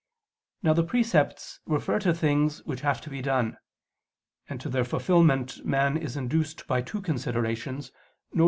Now the precepts refer to things which have to be done: and to their fulfilment man is induced by two considerations, viz.